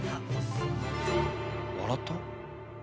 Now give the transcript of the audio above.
笑った？